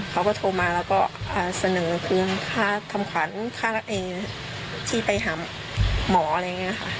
เขาก็โทรมาแล้วก็เสนอคือค่าทำขวัญค่ารักเองที่ไปหาหมออะไรอย่างนี้ค่ะ